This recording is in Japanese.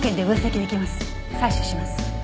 採取します。